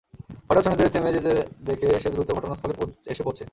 হঠাৎ সৈন্যদের থেমে যেতে দেখে সে দ্রুত ঘটনাস্থলে এসে পৌঁছে।